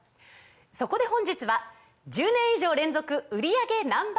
そこで本日は１０年以上連続売り上げＮｏ．１